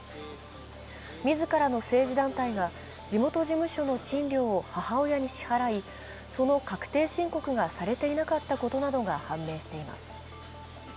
自らの政治団体が地元事務所の賃料を母親に支払いその確定申告がされていなかったことなどが判明しています。